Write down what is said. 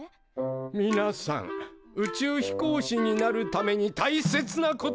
みなさん宇宙飛行士になるためにたいせつなことはいろいろあります。